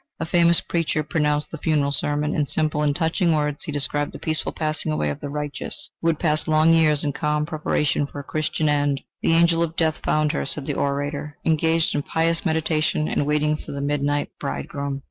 A famous preacher pronounced the funeral sermon. In simple and touching words he described the peaceful passing away of the righteous, who had passed long years in calm preparation for a Christian end. "The angel of death found her," said the orator, "engaged in pious meditation and waiting for the midnight bridegroom."